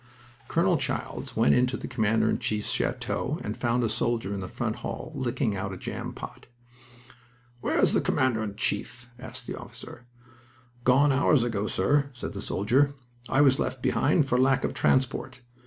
Colonel Childs went into the Commander in Chief's chateau and found a soldier in the front hall, licking out a jam pot. "Where's the Commander in Chief?" asked the officer. "Gone hours ago, sir," said the soldier. "I was left behind for lack of transport.